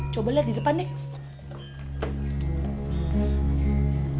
coba lihat di depan nih